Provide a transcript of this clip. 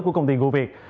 của công ty goviet